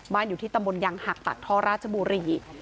อยู่ที่ตำบลยังหักปากท่อราชบุรี